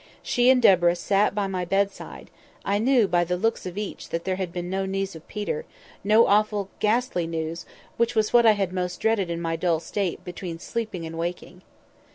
She and Deborah sat by my bedside; I knew by the looks of each that there had been no news of Peter—no awful, ghastly news, which was what I most had dreaded in my dull state between sleeping and waking.